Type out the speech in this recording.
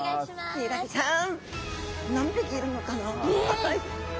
ヒイラギちゃん